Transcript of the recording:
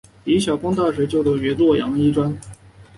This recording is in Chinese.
李晓峰大学就读于洛阳医专。